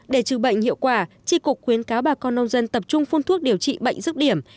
để trừ bệnh hiệu quả tri cục khuyến cáo bà con nông dân tập trung phun thuốc điều trị bệnh rứt điểm